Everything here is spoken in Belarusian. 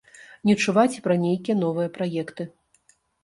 Не чуваць і пра нейкія новыя праекты.